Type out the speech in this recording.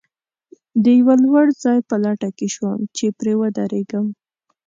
د یوه لوړ ځای په لټه کې شوم، چې پرې ودرېږم.